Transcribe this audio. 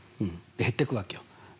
で減っていくわけよ。